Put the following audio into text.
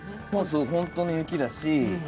本当の雪だし。